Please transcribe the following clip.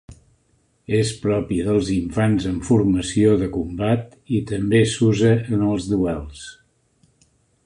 És propi dels infants en formació de combat i també s'usa en els duels.